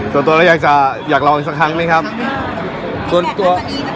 ส่วนตัวอยากลองสักครั้งมั้ยครับ